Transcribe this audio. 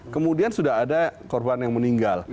kemudian sudah ada korban yang meninggal